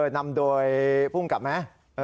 นำโดยพูงกลับมา